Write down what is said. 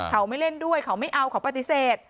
เขาไม่เล่นด้วยเขาไม่เอาเขาปฏิเสธ